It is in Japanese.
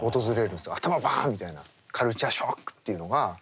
頭バンみたいなカルチャーショックっていうのが。